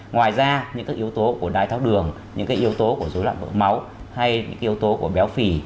ngoài ra những cái yếu tố của đai tháo đường những cái yếu tố của dối lặng vỡ máu hay những cái yếu tố của béo phì